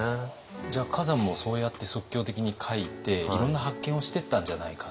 じゃあ崋山もそうやって即興的に描いていろんな発見をしてったんじゃないか。